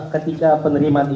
ketika penerimaan ini